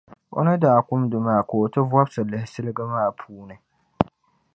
O ni daa kumdi maa ka o ti vɔbisi lihi siliga maa puuni.